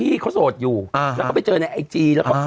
พี่โอ๊คบอกว่าเขินถ้าต้องเป็นเจ้าภาพเนี่ยไม่ไปร่วมงานคนอื่นอะได้